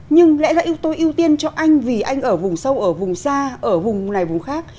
nhưng lẽ là tôi ưu tiên cho anh vì anh ở vùng sâu ở vùng xa ở vùng này vùng khác